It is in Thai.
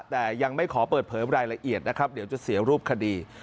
แต่ยังไม่ขอเปิดเผยรายละเอียดนะครับเดี๋ยวจะเสียรูปคดี